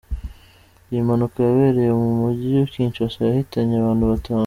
Iyi mpanuka yabereye mu mugi Kinshasa yahitanye abantu batanu.